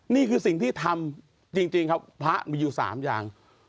นี่คือสิ่งที่ทำจริงครับพระมีอยู่๓อย่าง